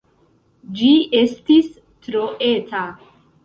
Ĝi estis tro eta.